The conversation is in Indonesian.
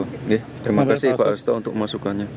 terima kasih pak resto untuk masukannya